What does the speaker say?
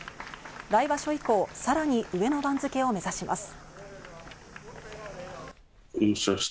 来場所以降、さらに上の番付を目指します。